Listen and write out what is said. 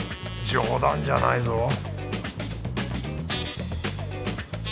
冗談じゃないぞ